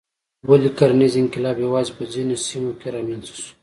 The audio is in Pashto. ولې کرنیز انقلاب یوازې په ځینو سیمو رامنځته شو؟